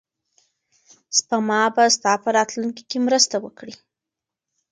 سپما به ستا په راتلونکي کې مرسته وکړي.